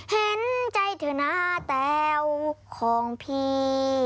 เห็นใจเธอหน้าแต้วของพี่